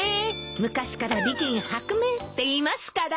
昔から美人薄命っていいますから。